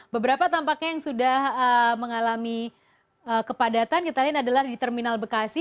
beberapa tampaknya yang sudah mengalami kepadatan kita lihat adalah di terminal bekasi